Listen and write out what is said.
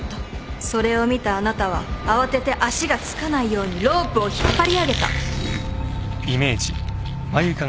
それを見たあなたは慌てて足が着かないようにロープを引っ張り上げた。